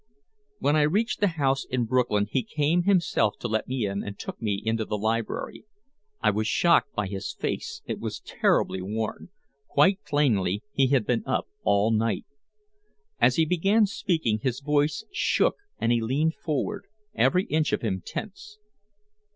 When I reached the house in Brooklyn he came himself to let me in and took me into the library. I was shocked by his face, it was terribly worn, quite plainly he had been up all night. As he began speaking his voice shook and he leaned forward, every inch of him tense.